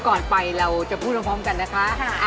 ก่อนไปเราจะพูดพร้อมกันนะคะ